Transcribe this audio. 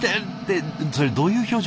それどういう表情？